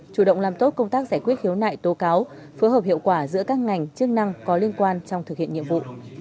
chủ động làm tốt công tác giải quyết khiếu nại tố cáo phối hợp hiệu quả giữa các ngành chức năng có liên quan trong thực hiện nhiệm vụ